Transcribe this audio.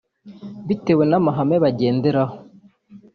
bitewe n’amahame bagenderaho